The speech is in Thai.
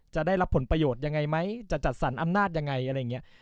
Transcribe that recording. จะได้รับผลประโยชน์ยังไงไหมจะจัดสรรอำนาจยังไงอะไรอย่างนี้